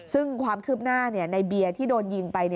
ซึ่งความคืบหน้าในเบียร์ที่โดนยิงไป